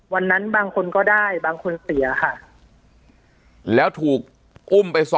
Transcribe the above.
ปากกับภาคภูมิ